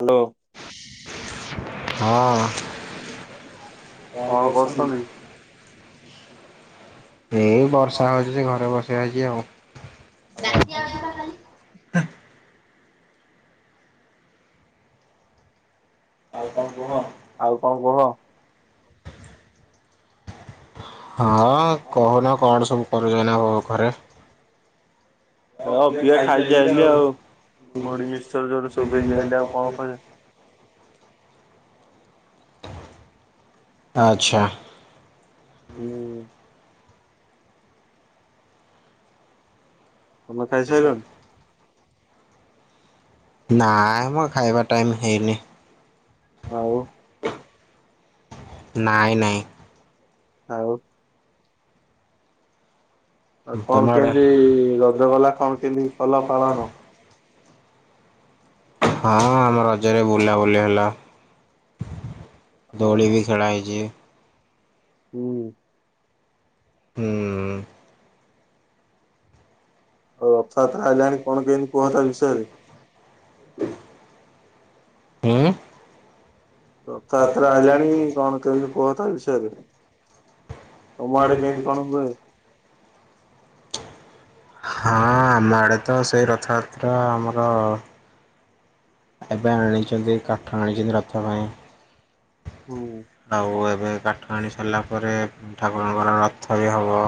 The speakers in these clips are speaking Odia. ହ୍ୟାଲୋ। ହଁ କଣ କରୁଛନ୍ତି? ଏଇ ବର୍ଷା ହଉଛି ସେ ଘରେ ବସେଇ ଆଛି ଆଉ। ଅ ହ। ଆଉ କଣ କୁହ? ଆଉ କଣ କୁହ? ହଁ କହୁନ କଣ ସବୁ କରୁଛନି ଏଇନା ଘରେ? ଆଉ ହଁ ପ ପିଆ ଖାଇକି ଆଇି ଆଇଲି ଆଉ ଆଉରି ମୁଢି ମିକ୍ସଚର ଯୋଉଠୁ ଚୋବେଇକି ଆଇଲି ଆଉ କଣ [unintelligible] କରିବା ଆଛା ହୁଁ। ତମେ ଖାଇ ସାଇଲଣି? ନାଇ ମଁ ଖାଇବା ଟାଇମ ହେଇନି। ଆଉ? ନାଇଁ ନାଇଁ ଆଉ ଆଉ ତମ କଣ ଆଡେ କେମିତି ରଜ ଗଲା କଣ କେମତି କଲ ପାଳନ? ହଁ ଆମ ରଜରେ ବୁଲାବୁଲି ହେଲା। ଦୋଳି ଓହୋ ବି ଖେଳାହେଇଛି। ହୁଁ। ହୁଁ। ଆଉ ରଥଯାତ୍ରା ଆଇଲାଣି କଣ କେମତି କୁହ ତା ବିଷୟରେ? ଉଁ। ରଥଯାତ୍ରା ଆଇଲାଣି କଣ କେମିତି କୁହ ତା ବିଷୟରେ? ତମ ଆଡେ କେମତି କଣ ହୁଏ? ହଁ ଆମ ଆଡ଼େ ତ ସେଇ ରଥଯାତ୍ରା ଆମର ଏବେ ଆଣିଛନ୍ତି କାଠ ଆଣିଛନ୍ତି ରଥ ପାଇଁ। ହୁଁ ଆଉ ଏବେ କା କାଠ ଆଣି ସାରିଲା ପରେ ଠାକୁରଙ୍କର ରଥ ବି ହବ,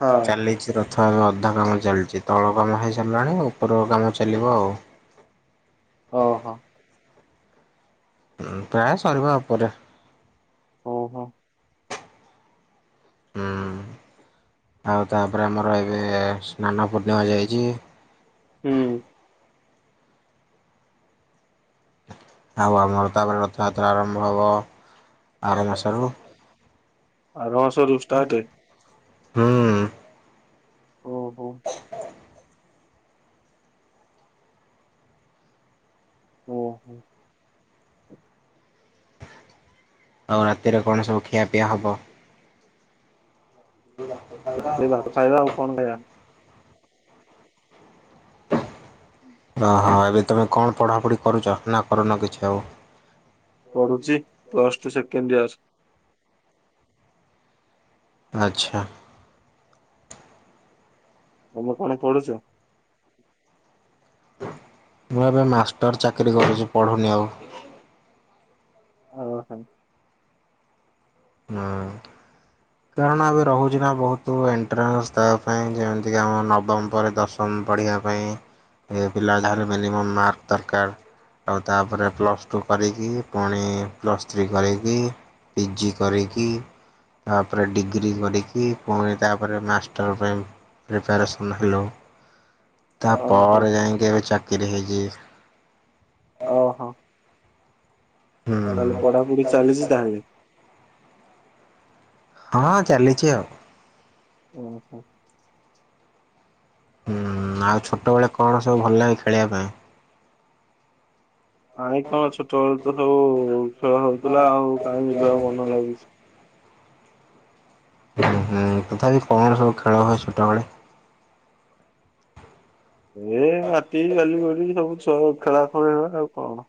ହଁ ଚାଲିଛି ର ଥ ବି ଅଧା କାମ ଚାଲିଛି ତଳ କାମ ହେଇସାରିଲାଣି ଉପର କାମ ଚାଲିବ ଆଉ। ଓହୋ। ପ୍ରାୟ ସରିବା ଉପରେ। ଉଁ ହୁଁ। ହୁଁ ଆଉ ତାପରେ ଆମର ଏବେ ସ୍ନାନ ପୂର୍ଣ୍ଣିମା ଯାଇଛି। ହୁଁ। ଆଉ ଆମର ତାପରେ ରଥଯାତ୍ରା ଆରମ୍ଭ ହେବ ଆର ମାସରୁ। ଆରମାସରୁ ଷ୍ଟାର୍ଟ ହୁଁ। ଓହୋ। ଉଁ ହୁଁ। ଆଉ ରାତିରେ କଣ ସବୁ ଖିଆପିଆ ହବ? [unintelligible] [unintelligible] ଭାତ ଖାଇବା ଆଉ କଣ ଖାଇବା। ଓହଁ ଏବେ ତୁମେ କଣ ପଢ଼ାପଢ଼ି କରୁଛ ନା କରୁନ କିଛି ଆଉ? ପଢୁଛି ପ୍ଲଷ୍ଟୁ ସେକେନ୍ଡିଅର୍। ଆଚ୍ଛା। ତମେ କଣ ପଡୁଛ? ମୁଁ ଏବେ ମାଷ୍ଟର ଚାକିରି କରୁଛି ପଢୁନି ଆଉ। ଓହ। ହଁ। କାରଣ ଏବେ ରହୁଛି ନା ବହୁତ ଏଣ୍ଟ୍ରାନ୍ସ ତା ପାଇଁ ଯେମିତିକି ଆମ ନବମ ପରେ ଦଶ ଶମ ପଢ଼ିବା ପାଇଁ ଏ ପିଲା ଯାହଲେ ମିନିମମ୍ ମାର୍କ ଦରକାର। ଆଉ ତାପରେ ପ୍ଲସ୍ ଟୁ କରିକି ପୁଣି ପ୍ଲସ୍ ଥ୍ରୀ କରିକି ପିଜି କରିକି ତାପରେ ଡିଗ୍ରୀ କରିକି ପୁଣି ତାପରେ ମାଷ୍ଟର ପାଇଁ ପ୍ରିପ୍ୟାରେସନ ହେଲୋ। [inaudible] ତା ଓହୋ ପରେ ଯାଇଙ୍କି ଏବେ ଚାକିରି ହେଇଚି। ଓହୋ ହୁଁ। ତାହଲେ ପଢାପଢି ଚାଲିଛି ତାହେଲେ। ହଁ ଚାଲିଛି ଆଉ। ଉଁ ହୁଁ। ହୁଁ ଆଉ ଛୋଟବେେଳେ କଣ ସବୁ ଭଲ ଲାଗେ ଖେଳିବା ପାଇଁ? ଆାଇ କଣ ଛୋଟବେଳୁ ତ ସବୁ ଖେଳ ହଉଥିଲା ଆଉ କାଇଁ ଏବେ ଆଉ ମନ ଲାଗୁଛି। ହୁଁ ତଥାପି କଣ ସବୁ ଖେଳ ହୁଏ ଛୋଟବେଳେ? ଏ ମାଟି ବାଲି ଗୋଡ଼ି ସବୁ ଛୁଆ ଖେଳା ଖେଳି ହୁଏ ଆଉ କଣ।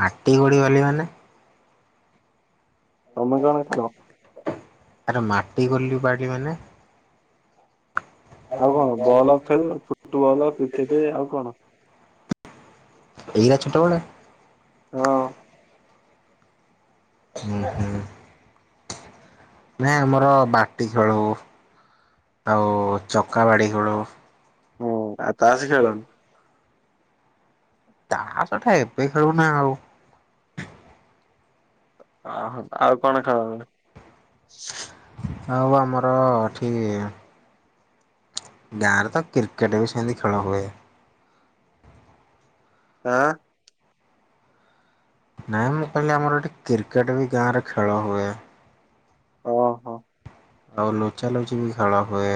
ମାଟି ଗୋଡ଼ି ବାଲି ମାନେ ତମେ ଜଣେଇଥିଲ। ଆରେ ମାଟି ଗଲୁ ବାଡି ମାନେ ଆଉ କଣ ବଲ ଖେଳୁନ। ଫୁଟବଲ କ୍ରିକେଟ ଆଉ କଣ? ଏଇରା ଛୋଟବେଳେ। ହଁ। ହୁଁ ହୁଁ ନାଇ ଆମର ବାଟି ଖେଳଉ। ଆଉ ଚକା ବାଡି ଖେଳୁ। ହ ଆ ତାସ ଖେଳ। ତା ସହିତା ଏବେ ଖେଳୁନା ଆଉ। ଓହୋ ଆଉ କଣ ଖେଳ ହୁଏ? ହଉ ଆମର ଠିକ ଗାଁରେ ତ କ୍ରିକେଟ ବି ସେମିତି ଖେଳ ହୁଏ। ହଁ। ନାଇଁ ମୁଁ କହିଲି ଆମର ଏଠେ କ୍ରିକେଟ ବି ଗାଁରେ ଖେଳ ହୁଏ। ଓହୋ। ଆଉ ଲୋଚା ଲୋଚି ବି ଖେଳ ହୁଏ।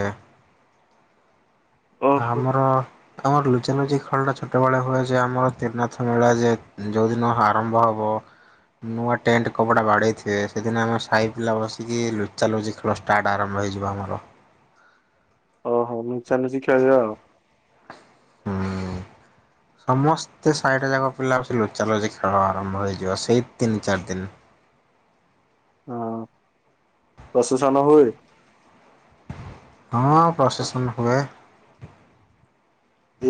ଓହୋ ଆମର ଆମର ଲୁଚାଲୁଚି ଖେଳଟା ଛୋଟବେଳେ ହୁଏ ଯେ ଆମର ତ୍ରିନାଥ ମେଳା ଯେ ଯଉଦିନ ଆରମ୍ଭ ହବ। ନୂଆ ଟେଣ୍ଟ କପଡା ବାଡେଇଥିବେ। ସେଦିନ ଆମେ ସାହି ପିଲା ବସିକି ଲୁଚା ଲୁଚି ଖେଳ ଷ୍ଟାଟ୍ ଆରମ୍ଭ ହେଇଯିବ ଆମର। ଓହୋ ନୁଚା ନିଚି ଖେଳିବା ଆଉ। ହୁଁ। ସମସ୍ତେ ସାଇଟା ଯାକ ପିଲା ବ ସେ ଲୁଚା ଲୋଚି ଖେଳ ଆରମ୍ଭ ହେଇଯିବ। ସେଇ ତିନି ଚାରି ଦିନ। ହଁ। ପ୍ରସେସନ ହୁଏ ହଁ ପ୍ରସେସନ ହୁଏ।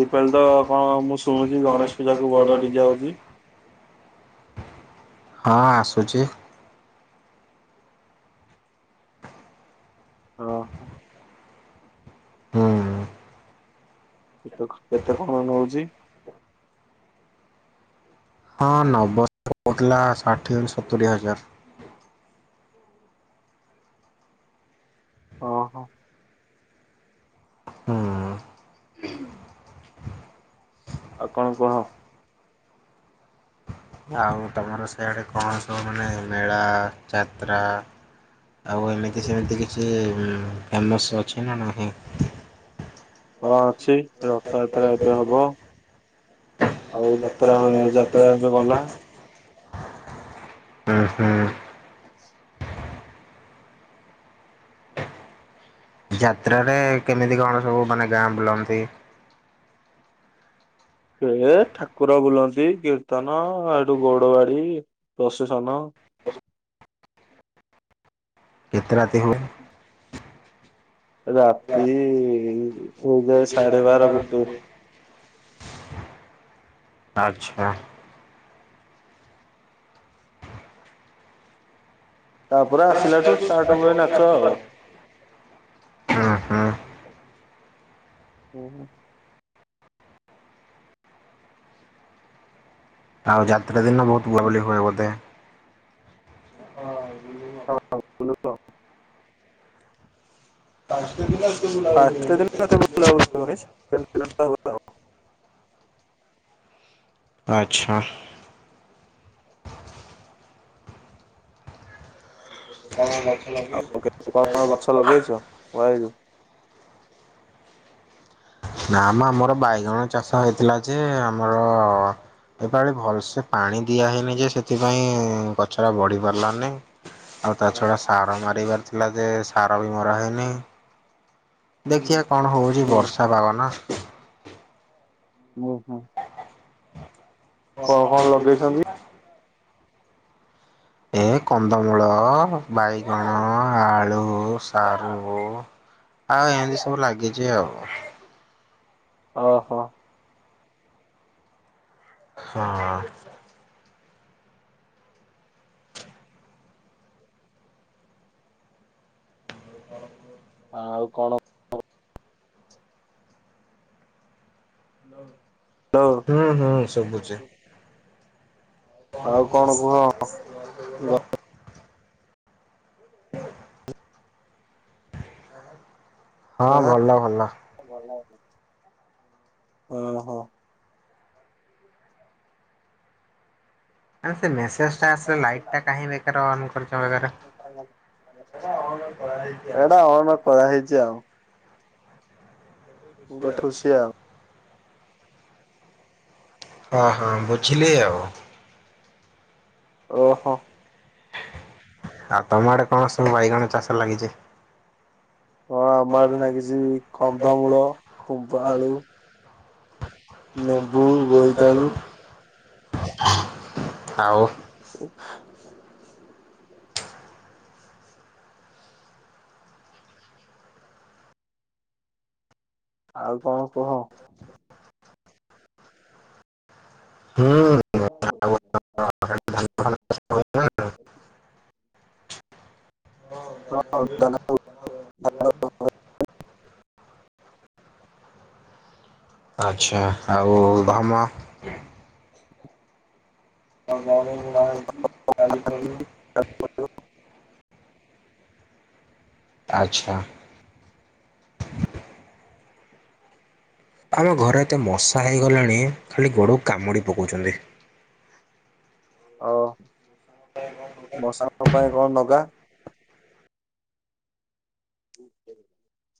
ଏଇପାଳି ତ କଣ ମୁଁ ଶୁଣୁଛି ଗଣେଶ ପୂଜାକୁ ବଡ ଡିଜେ ଆଉଛି। ହଁ ଆସୁଛି। ଓହୋ। ହୁଁ। କେ କେତେ କଣ ନୋଉଛି? ହଁ ନବ ଶ କହୁଥିଲା ଷାଠିଏ ସତୁରି ହଜାର। ଓହୋ। ହୁଁ। ଆଉ କଣ କୁହ? ଆଉ ତମର ସେଆଡେ କଣ ସବୁ ମାନେ ମେଳା ଯାତ୍ରା ଆଉ ଏମିତି ସେମିତି କିଛି ଫେମସ୍ ରେ ଅଛି ନା ନାହିଁ। କଣ ଅଛି ସେ ରଥଯାତ୍ରା ଏବେ ହବ। ଆଉ ନ ଯାତ୍ରା ଯାତ୍ରା ଏବେ ଗଲା। ହୁଁ ହୁଁ। ଯାତ୍ରାରେ କେମିତି କଣ ସବୁ ମାନେ ଗାଁ ବୁଲନ୍ତି? ଏ ଠାକୁର ବୁଲନ୍ତି। କୀର୍ତ୍ତନ ଏଠୁ ଗୌଡ ବାଡି ପ୍ରଶେସନ। କେତେ ରାତି ହୋଉ। ରାତି ହେଇଯାଏ ସାଢେ ବାର ଗୋଟେ। ଆଚ୍ଛା। ତାପରେ ଆସିଲାଠୁ ଷ୍ଟାର୍ଟ ହୁଏ ନାଚ ହୁଁ ହୁଁ। ହୁଁ ହୁଁ। ଆଉ ଯାତ୍ରା ଦିନ ବହୁତ ବୁଆବୁଲି ହୁଏ ବୋଧେ। ହଁ ବୁଲି ଫାଷ୍ଟ ସାଂସ୍କତିକ ଏତେ ବୁଲା ବୁଲି ହୁଏନି। [unintelligible] ହୁଏ ଆଉ। ଜାଣିଥିଲ ତ ଆଉ। ଆଚ୍ଛା। ହଁ। ଆଉ କେ କଣ କଣ ଗଛ ଲଗେଇଛ କୁ [unintelligible] ନାମ ଆମର ବାଇଗଣ ଚାଷ ହେଇଥିଲା ଯେ ଆମର ଏପାଳି ଭଲସେ ପାଣି ଦିଆହେଇନି ଯେ ସେଥିପାଇଁ ଗଛ ଟା ବଢି ପାରିଲାନି। ଆଉ ତା ଛଡା ସାର ମାରିବାର ଥିଲା ଯେ ସାର ବି ମର ହେଇନି। ଦେଖିବା କଣ ହେଉଛି ହୁଁ ବର୍ଷା ପାଗନ। ଓହୋ। ଲଗେଇଛନ୍ତି? [unintelligible] ଏ କନ୍ଦମୂଳ ବାଇଗଣ ଆଳୁ ସାରୁ। ଆଉ ଏମିତି ସବୁ ଲାଗିଛି ଆଉ। ଓହୋ। ହଁ। [unintelligible] ଆଉ କଣ [unintelligible] ହେଲୋ। ହୁଁ ହୁଁ ସବୁ ବୁଝେ। ଆଉ କଣ କୁହ? ହଁ ଭଲ ଭଲ। [unintelligible] ହୁଁ ହୋଁ। ଆଉ ସେ ମେସେଜଟା ଆସିଲେ ଲାଇଟା କାହିଁ ବେକାର ଅନ୍ କରିଛ ବେକାର। ଏଇଟା ଆମର କରାହେଇଛି ଆଉ। ଗୋ ଠୁସି ଆଉ। ହଁ ହଁ ବୁଝିଲ ଆଉ। ଓହୋ। ଆଉ ତମ ଆଡେ କଣ ସବୁ ବାଇଗଣ ଚାଷ ଲାଗିଛି। ହଁ ଆମ ଆଡେ ନାଗିଛି କନ୍ଦମୂଳ ଖୁମ୍ବାଆଳୁ। ନେବୁ ବୋଇତାରୁ। ଆଉ [unintelligible] ଆଉ କଣ କୁହ। ହୁଁ। ହଉ ହଉ। [inaudible] [unintelligible] ଆଚ୍ଛା ଆଉ ଭାମା [unintelligible] [unintelligible] [unintelligible] ଆଚ୍ଛା। ଆମ ଘରେ ଏତେ ମଶା ହେଇଗଲାଣି ଖାଲି ଗୋଡ଼କୁ କାମୁଡ଼ି ପକଉଛନ୍ତି। ଓ ମଶାଙ୍କ ପାଇଁ କଣ ନଗା। [unintelligible]